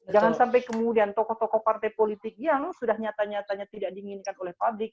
jangan sampai kemudian tokoh tokoh partai politik yang sudah nyata nyatanya tidak diinginkan oleh publik